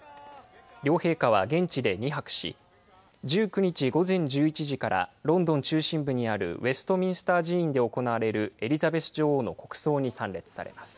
両陛下は現地で２泊し、１９日午前１１時から、ロンドン中心部にあるウェストミンスター寺院で行われるエリザベス女王の国葬に参列されます。